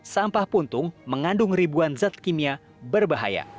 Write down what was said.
sampah puntung mengandung ribuan zat kimia berbahaya